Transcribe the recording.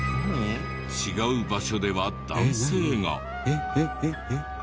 違う場所では男性が。